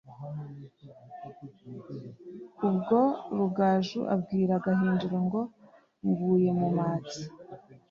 Ubwo Rugaju abwira Gahindiro ngo "Nguye mu matsa